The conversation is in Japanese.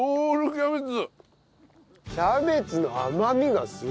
キャベツの甘みがすごいよこれ。